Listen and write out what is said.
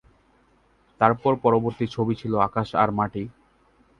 তার পরবর্তী ছবি ছিল "আকাশ আর মাটি"।